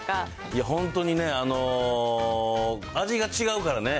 いや、本当にね、味が違うからね、